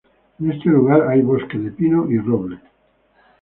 En este lugar hay bosques de pino y roble.